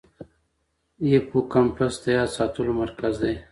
هیپوکمپس د یاد ساتلو مرکز دی.